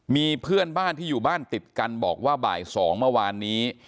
มีเพื่อนบ้านที่อยู่บ้านติดกันบอกว่าบ่าย๒เมื่อวานนี้